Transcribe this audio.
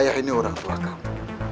saya ini orang tua kamu